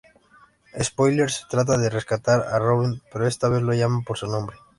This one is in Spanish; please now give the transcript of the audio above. Spoiler trata de rescatar a Robin, pero esta vez lo llama por su nombre.